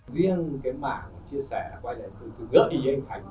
riêng cái mảng chia sẻ quay lại từ từ gợi với anh khánh